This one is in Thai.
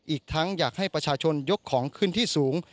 อีกทั้งอยากให้ประชาชนยกของขึ้นที่สูง